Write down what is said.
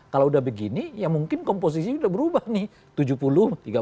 kalau udah begini ya mungkin komposisi sudah berubah nih